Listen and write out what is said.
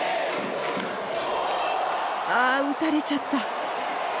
あ打たれちゃった。